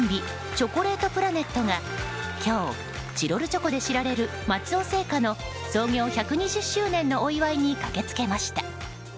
チョコレートプラネットが今日チロルチョコで知られる松尾製菓の創業１２０周年のお祝いに駆けつけました。